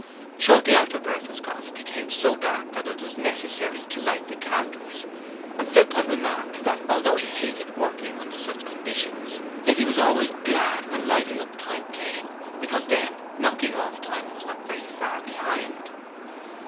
Shortly after Bert was gone it became so dark that it was necessary to light the candles, and Philpot remarked that although he hated working under such conditions, yet he was always glad when lighting up time came, because then knocking off time was not very far behind.